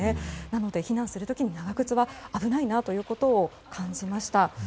なので避難する時に長靴は危ないなと感じました。